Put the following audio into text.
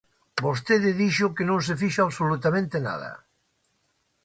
Vostede dixo que non se fixo absolutamente nada.